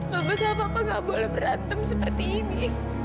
mama papa nggak boleh berantem seperti ini